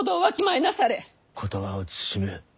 言葉を慎め。